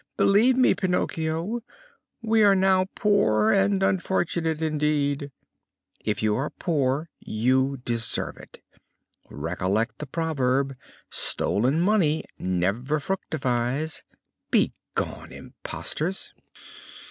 "Believe me, Pinocchio, we are now poor and unfortunate indeed!" "If you are poor, you deserve it. Recollect the proverb: 'Stolen money never fructifies.' Begone, impostors!"